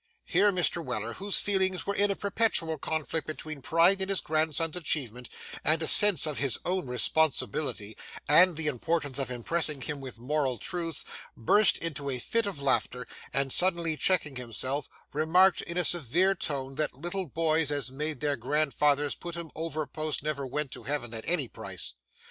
Here Mr. Weller, whose feelings were in a perpetual conflict between pride in his grandson's achievements and a sense of his own responsibility, and the importance of impressing him with moral truths, burst into a fit of laughter, and suddenly checking himself, remarked in a severe tone that little boys as made their grandfathers put 'em over posts never went to heaven at any price.